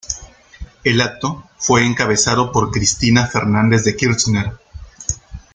El acto fue encabezado por Cristina Fernández de Kirchner.